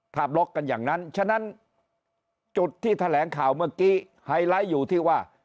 บล็อกกันอย่างนั้นฉะนั้นจุดที่แถลงข่าวเมื่อกี้ไฮไลท์อยู่ที่ว่า